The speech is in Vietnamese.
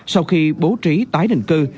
sau khi bố trí tái định cư